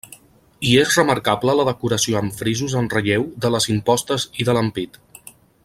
Hi és remarcable la decoració amb frisos en relleu de les impostes i de l'ampit.